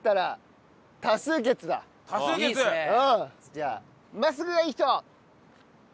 じゃあ真っすぐがいい人？